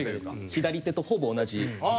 左手とほぼ同じ。